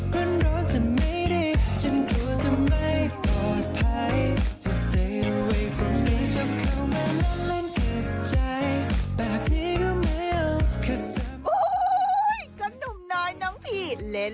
คือไฟปืนร้องจำไม่ได้